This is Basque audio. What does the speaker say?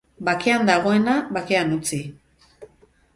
Bakean dagoena, bakean utzi.